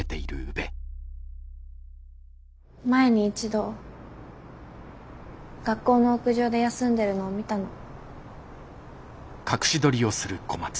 前に一度学校の屋上で休んでるのを見たの。